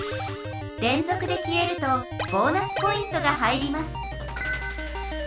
れんぞくで消えるとボーナスポイントが入ります。